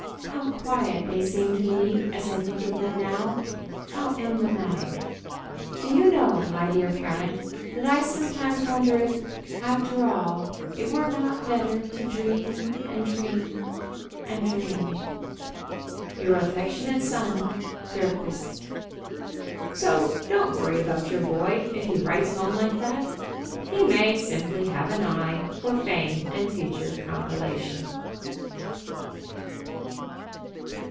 How quiet they seem to me as I think of them now! How emblematic! Do you know, my dear Parent, that I sometimes wonder if, after all, it were not better to dream, and dream ... and dream. Your affectionate son, BERGQUIST. So don't worry about your boy if he writes home like that. He may simply have an eye for fame and future compilation.